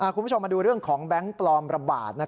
คุณผู้ชมมาดูเรื่องของแบงค์ปลอมระบาด